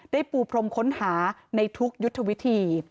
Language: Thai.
ปูพรมค้นหาในทุกยุทธวิธี